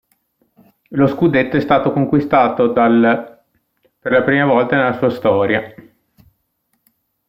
Lo scudetto è stato conquistato dall' per la prima volta nella sua storia.